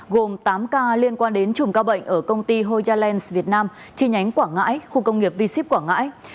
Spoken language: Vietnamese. gồm tám ca liên quan đến trùm ca bệnh ở công ty hoya lens việt nam chi nhánh quảng ngãi khu công nghiệp v sip quảng ngãi